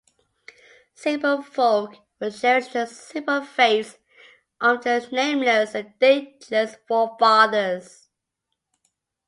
Simple folk will cherish the simple faiths of their nameless and dateless forefathers.